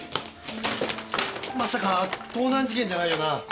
まさか盗難事件じゃないよな。